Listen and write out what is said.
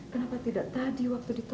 kenapa tidak tadi waktu itu